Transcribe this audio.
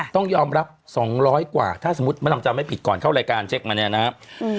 ต้องยอมรับ๒๐๐กว่าถ้าสมมุติมะดำจำไม่ผิดก่อนเข้ารายการเช็คมาเนี่ยนะครับ